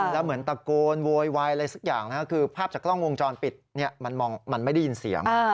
แล้วเหมือนตะโกนโวยวายอะไรสักอย่างนะครับคือภาพจากกล้องวงจรปิดมันไม่ได้ยินเสียง